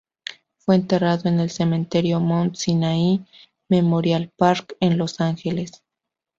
Fue enterrado en el Cementerio Mount Sinai Memorial Park, en Los Ángeles.